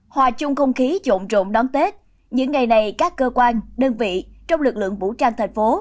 hòa chung không khí rộn rộn đón tết những ngày này các cơ quan đơn vị trong lực lượng vũ trang tp hcm